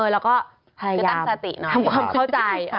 แล้วก็พยายามทำความเข้าใจ